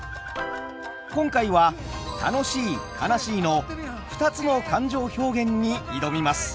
今回は「楽しい」「悲しい」の２つの感情表現に挑みます。